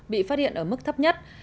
bị phát hiện ở mức thấp nhất